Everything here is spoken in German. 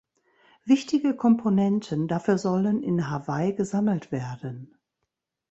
Wichtige Komponenten dafür sollen in Hawaii gesammelt werden.